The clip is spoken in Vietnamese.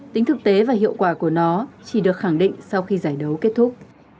tính thực tế và hiệu quả của nó chỉ được khẳng định sau khi giải đấu kết thúc